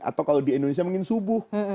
atau kalau di indonesia mungkin subuh